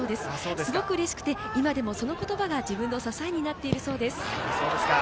すごくうれしくて、今でもその言葉が自分の支えになっているそうです。